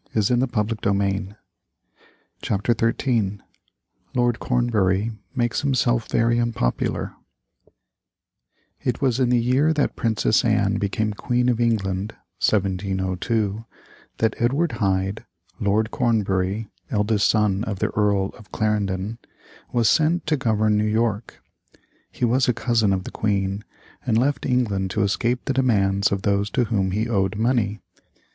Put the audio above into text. [Illustration: Fort George in 1740.] CHAPTER XIII LORD CORNBURY makes HIMSELF very UNPOPULAR It was in the year that Princess Anne became Queen of England (1702) that Edward Hyde, Lord Cornbury, eldest son of the Earl of Clarendon, was sent to govern New York. He was a cousin of the Queen, and left England to escape the demands of those to whom he owed money.